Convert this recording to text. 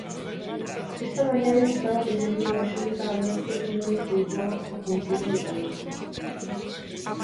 Esta mañá visitaba o presidente da Xunta aberto Núñez Feijóo o concello de Cabana.